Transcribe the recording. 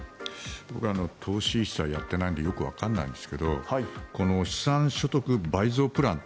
僕、投資を一切やっていないのでよくわからないですがこの資産所得倍増プラン